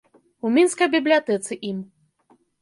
У мінскай бібліятэцы ім.